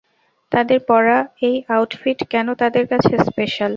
তাদের পড়া এই আউটফিট কেন তাদের কাছে স্পেশাল?